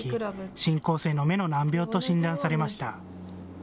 進行性の目の難病と診断されました。